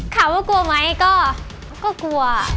ถามว่ากลัวไหมก็ก็กลัว